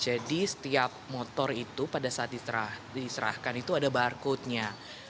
jadi setiap motor itu pada saat diserahkan itu ada barcodenya